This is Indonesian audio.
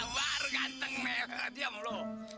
warga tenggelam lo